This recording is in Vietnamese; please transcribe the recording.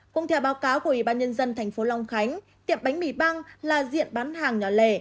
cùng theo báo cáo của ủy ban nhân dân tp long khánh tiệm bánh mì băng là diện bán hàng nhỏ lề